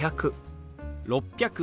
「６００」。